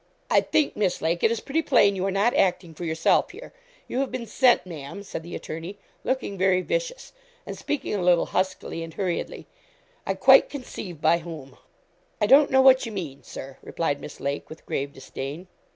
'I think, Miss Lake, it is pretty plain you are not acting for yourself here you have been sent, Ma'am,' said the attorney, looking very vicious, and speaking a little huskily and hurriedly; 'I quite conceive by whom.' 'I don't know what you mean, Sir,' replied Miss Lake, with grave disdain.